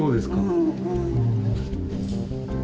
うん。